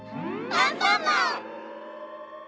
アンパンマン！